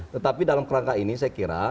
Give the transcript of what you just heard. tetapi dalam kerangka ini saya kira